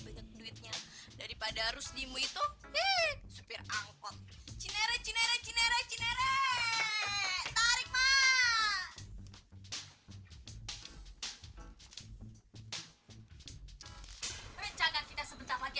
banyak duitnya daripada harus dimu itu supir angkot